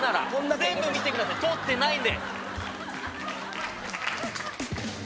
全部見てください取ってないんで。